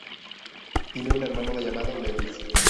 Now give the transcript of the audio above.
Tiene un hermano llamado Lewis.